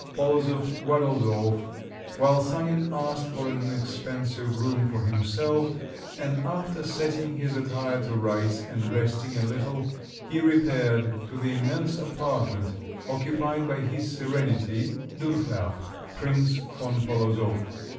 Polozov waddled off, while Sanin asked for an inexpensive room for himself; and after setting his attire to rights, and resting a little, he repaired to the immense apartment occupied by his Serenity (Durchlaucht) Prince von Polozov.